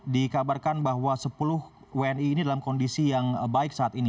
dikabarkan bahwa sepuluh wni ini dalam kondisi yang baik saat ini